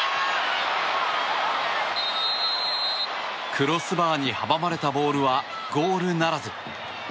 クロスバーに阻まれたボールはゴールならず。